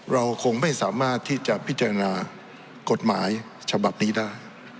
เราคงไม่สามารถที่จะพิจารณากฎหมายฉบับนี้ได้